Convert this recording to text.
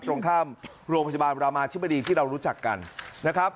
ตรงข้ามโรงพยาบาลรามาธิบดีที่เรารู้จักกันนะครับ